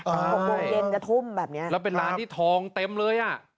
หกโมงเย็นจะทุ่มแบบเนี้ยแล้วเป็นร้านที่ทองเต็มเลยอ่ะ